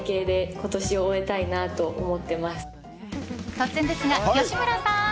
突然ですが、吉村さん！